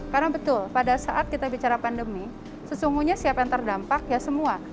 karena betul pada saat kita bicara pandemi sesungguhnya siapa yang terdampak ya semua